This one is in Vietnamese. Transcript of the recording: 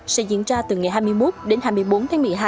sẽ diễn ra từ ngày hai mươi một đến hai mươi bốn tháng một mươi hai